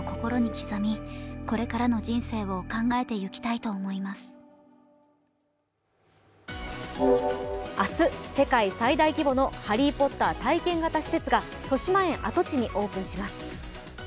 今後について、広末さんは明日、世界最大規模のハリー・ポッター体験型施設がとしまえん跡地にオープンします。